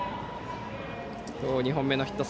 今日２本目のヒット。